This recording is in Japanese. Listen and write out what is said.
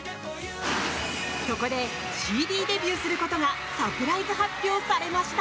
そこで、ＣＤデビューすることがサプライズ発表されました。